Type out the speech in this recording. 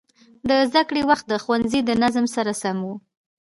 د زده کړې وخت د ښوونځي د نظم سره سم و.